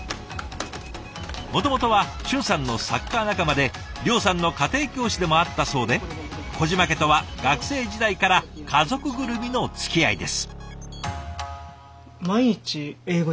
もともとは俊さんのサッカー仲間で諒さんの家庭教師でもあったそうで小嶋家とは学生時代から家族ぐるみのつきあいです。